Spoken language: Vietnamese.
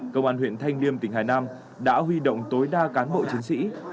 công an huyện thanh liêm tỉnh hà nam đã huy động tối đa cán bộ chiến sĩ